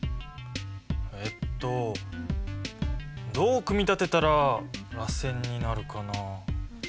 えっとどう組み立てたららせんになるかなあ。